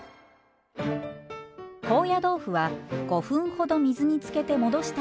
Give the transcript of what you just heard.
高野豆腐は５分ほど水につけて戻した